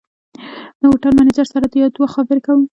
د هوټل منیجر سره یو دوه خبرې کوم.